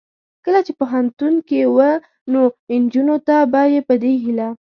کله چې پوهنتون کې و نو نجونو ته به یې په دې هیله